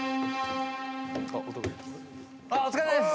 あっお疲れです。